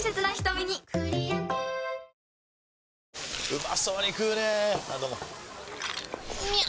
うまそうに食うねぇあどうもみゃう！！